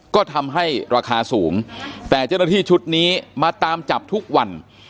ก็ทำให้ราคาสูงแต่เจ้าหน้าที่ชุดนี้มาตามจับทุกวัน